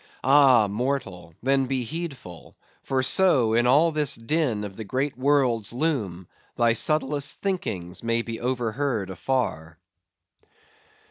Ah, mortal! then, be heedful; for so, in all this din of the great world's loom, thy subtlest thinkings may be overheard afar.